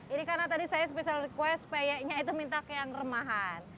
ini karena tadi saya special request peye nya itu minta ke yang remahan